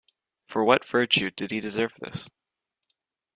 For what virtue did he deserve this?